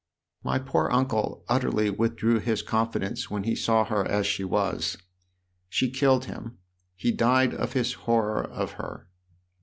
" My poor uncle utterly withdrew his confidence when he saw her as she was. She killed him he died of his horror of her.